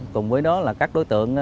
cùng với đó là các đối tượng